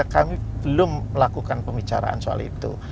kami belum melakukan pembicaraan soal itu